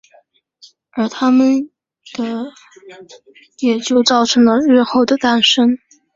而他们的也造就了日后的诞生。